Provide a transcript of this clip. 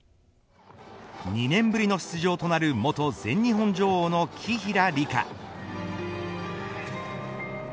２年ぶりの出場となる元全日本女王の紀平梨花。